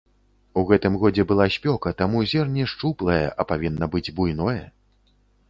У гэтым годзе была спёка, таму зерне шчуплае, а павінна быць буйное.